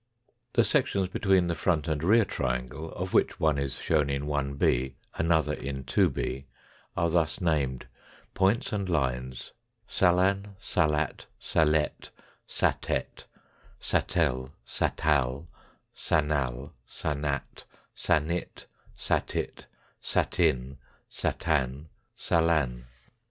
The sections between the front and rear triangle, of which one is shown in Ib another in 2b, are thus named, points and lines, salan, salat, salet, satet, satel, satal, sanal, sanat, sanit, satit, satin, satan, salan.